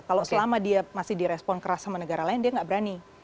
kalau selama dia masih direspon keras sama negara lain dia nggak berani